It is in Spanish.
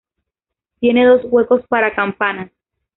Tiene dos huecos para campanas.